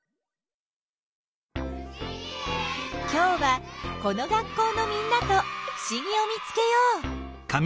きょうはこの学校のみんなとふしぎを見つけよう。